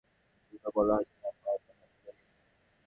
দিপা বলল, হারিকেন আপনা-আপনি নিভে গেছে।